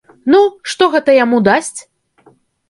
Ну, што гэта яму дасць?